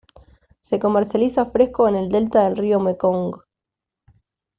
Se comercializa fresco en el delta del río Mekong.